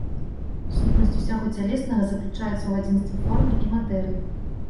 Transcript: Сутнасць усяго цялеснага заключаецца ў адзінстве формы і матэрыі.